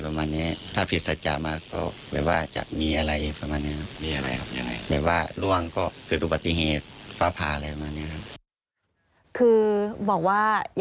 ยังจะกล้าถามหาศัตริย์อีกหรือคะ